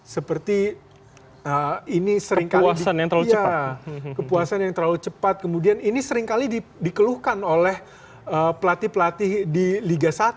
seperti ini sering kali kepuasan yang terlalu cepat kemudian ini sering kali dikeluhkan oleh pelatih pelatih di liga satu